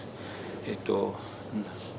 えっと。